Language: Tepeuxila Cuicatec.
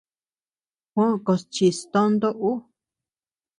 Juó koʼos chis tonto ú.